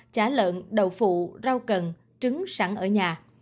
chá lợn đậu phụ rau cần trứng sẵn ở nhà